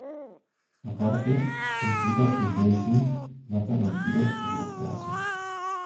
Aparte, se implica que Hellsing mata vampiros por lo que "hacen".